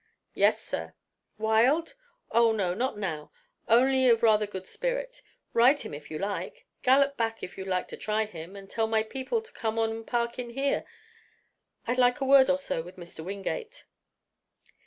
"Yes, sir." "Wild?" "Oh, no, not now; only of rather good spirit. Ride him if you like. Gallop back, if you'd like to try him, and tell my people to come on and park in here. I'd like a word or so with Mr. Wingate."